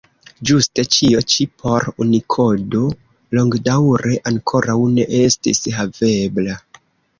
Ĝuste ĉio ĉi por Unikodo longdaŭre ankoraŭ ne estis havebla.